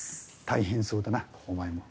大変そうだなお前も。